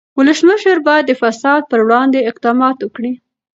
ولسمشر باید د فساد پر وړاندې اقدامات وکړي.